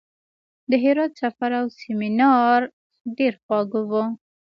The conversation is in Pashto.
د هرات سفر او سیمینار ډېر خواږه وو.